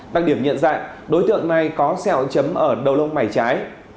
đặc điểm nhận dạng đối tượng này có sẹo chấm ở đầu lông mày trái